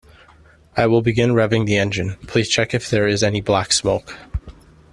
I will begin revving the engine, please check if there is any black smoke.